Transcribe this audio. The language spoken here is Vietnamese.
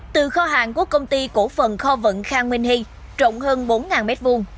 từ kho hàng của công ty cổ phần kho vận khang minh hy rộng hơn bốn m hai